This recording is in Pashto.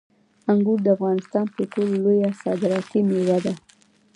انګور د افغانستان تر ټولو لویه صادراتي میوه ده.